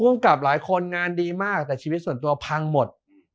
ภูมิกับหลายคนงานดีมากแต่ชีวิตส่วนตัวพังหมด